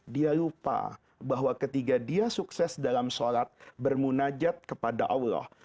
dia lupa bahwa ketika dia sukses dalam sholat bermunajat kepada allah